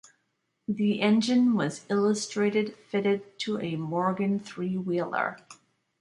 The engine was illustrated fitted to a Morgan three-wheeler.